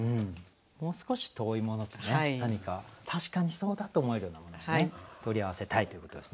もう少し遠いもので何か確かにそうだと思えるようなものを取り合わせたいということですね。